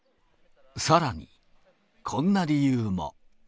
さらに、こんな理由も。